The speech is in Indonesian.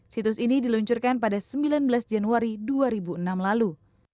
situs ini diluncurkan pada sembilan belas januari dua ribu enam lalu